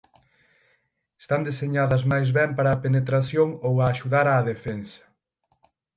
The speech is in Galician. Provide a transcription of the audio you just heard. Están deseñadas máis ben para a penetración ou a axudar á defensa.